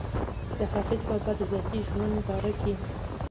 د حافظ بابا د ذاتي ژوند باره کښې